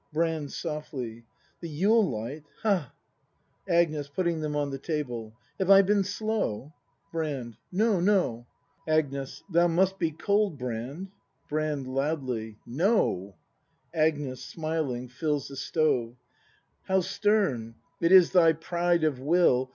Brand. [Softly.] The Yule light! Ha! Agnes. [Putting them on the table.] Have I been slow? Brand. x\gnes. Thou must be cold, Brand! No, no. Brand. [Loudly.] No. Agnes. [Smiling , Jills the stove.] How stern! It is thy pride of will.